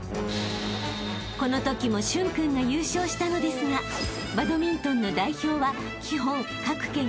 ［このときも駿君が優勝したのですがバドミントンの代表は基本各県２名ずつ］